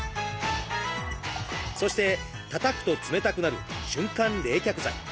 そしてたたくと冷たくなる瞬間冷却剤。